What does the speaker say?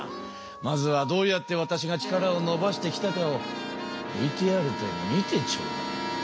まずはどうやってわたしが力をのばしてきたかをＶＴＲで見てちょうだい。